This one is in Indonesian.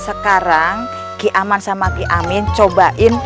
sekarang ki aman sama ki amin cobain